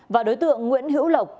và đối tượng nguyễn hữu lộc